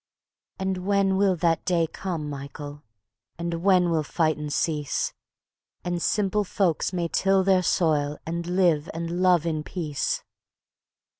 ..." "And when will that day come, Michael, and when will fightin' cease, And simple folks may till their soil and live and love in peace?